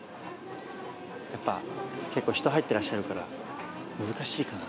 やっぱ結構人入ってらっしゃるから難しいかな。